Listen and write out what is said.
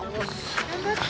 頑張って。